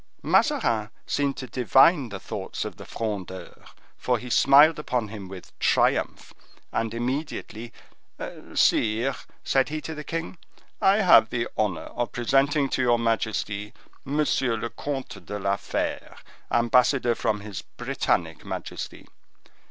Mazarin seemed to divine the thoughts of the Frondeur, for he smiled upon him with triumph, and immediately,—"Sire," said he to the king, "I have the honor of presenting to your majesty, Monsieur le Comte de la Fere, ambassador from his Britannic majesty.